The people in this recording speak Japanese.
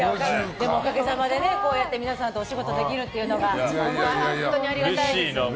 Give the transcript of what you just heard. でも、おかげさまでこうやって皆さんとお仕事できるっていうのが本当にありがたいです。